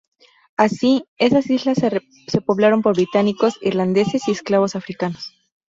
Así, esas islas se poblaron por británicos, irlandeses y esclavos africanos.